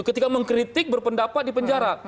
ketika mengkritik berpendapat di penjara